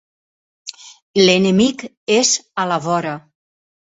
L'enemic és a la vora.